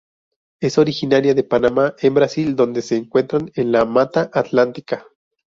Es originaria de Paraná en Brasil donde se encuentra en la Mata Atlántica.